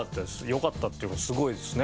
よかったっていうかすごいですね。